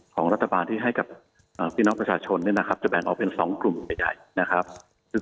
ของรัฐบาลที่ให้กับพี่น้องประชาชนจะแบ่งออกเป็น๒กลุ่มใหญ่ใหญ่